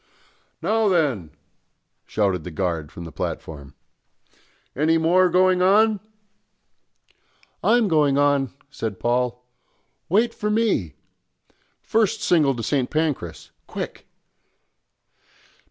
"Now then," shouted the guard from the platform. "Any more going on?" "I'm going on!" said Paul. "Wait for me. First single to St. Pancras, quick!"